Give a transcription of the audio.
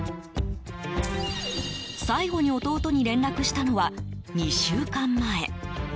最後に弟に連絡したのは２週間前。